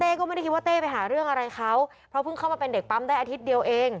ก็ไม่ได้คิดว่าเต้ไปหาเรื่องอะไรเขาเพราะเพิ่งเข้ามาเป็นเด็กปั๊มได้อาทิตย์เดียวเอง